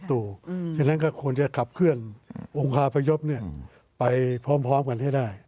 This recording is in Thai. บิ๊กตูฉะนั้นก็ควรจะขับเคลื่อนองค์ฮาพยพเนี่ยไปพร้อมกันให้ได้